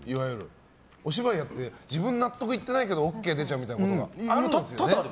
お芝居やって自分は納得いってないけどＯＫ出ちゃうみたいなことあるんですよね。